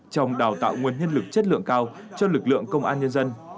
trong đào tạo nguồn nhân lực chất lượng cao cho lực lượng công an nhân dân